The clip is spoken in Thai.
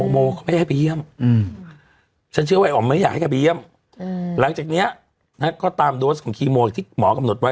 ไม่ให้ไปเยี่ยมตามโดสกันหัวใหญ่ออกที่หมอกำนุษย์กำหนดไว้